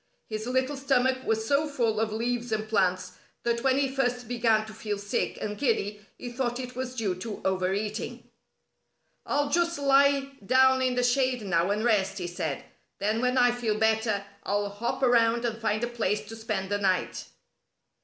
His little stomach was so full of leaves and plants that when he first began to feel sick and giddy he thought it was due to overeating. "I'll just lie down in the shade now and rest," he said. "Then when I feel better I'll hop around and find a place to spend the night."